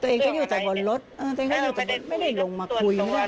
ตัวเองก็อยู่จากบนรถเออตัวเองก็อยู่จากบนรถไม่ได้ลงมาคุยตัวตัวอะไรอย่างเงี้ย